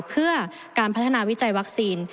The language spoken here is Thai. เพื่อการพัฒนาวิจัยวัคซีน